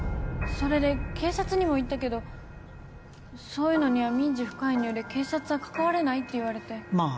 それで警察にも行ったけどそういうのには民事不介入で警察は関われないって言われてまあ